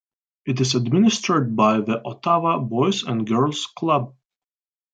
It is administered by the Ottawa Boys and Girls Club.